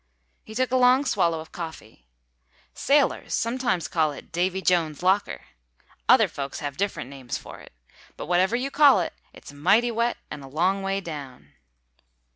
He took a long swallow of coffee. "Sailors sometimes call it Davy Jones's locker. Other folks have different names for it. But whatever you call it, it's mighty wet and a long way down."